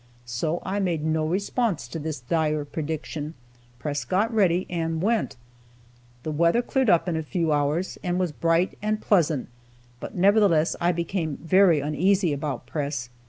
So I made no response to this dire prediction; Press got ready, and went. The weather cleared up in a few hours, and was bright and pleasant, but nevertheless I became very uneasy about Press.